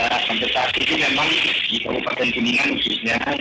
nah sampai saat ini memang di kabupaten kuningan khususnya